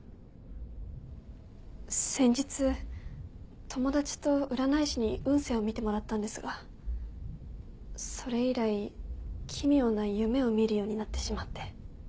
先日友達と占い師に運勢を見てもらったんですがそれ以来奇妙な夢を見るようになってしまって。